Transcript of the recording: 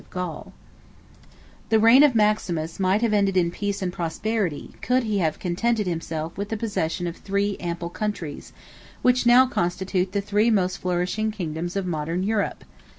] The reign of Maximus might have ended in peace and prosperity, could he have contented himself with the possession of three ample countries, which now constitute the three most flourishing kingdoms of modern Europe.